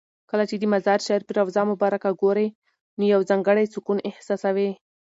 کله چې د مزار شریف روضه مبارکه ګورې نو یو ځانګړی سکون احساسوې.